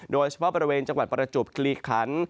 โดยเฉพาะบริเวณจังหวัดประจวบคลีคัน